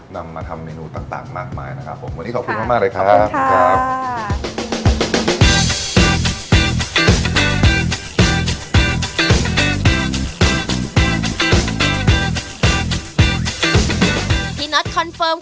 นำมาทำเมนูต่างมากมายนะครับผม